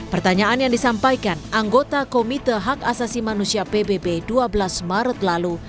pertanyaan yang disampaikan anggota komite hak asasi manusia pbb dua belas maret lalu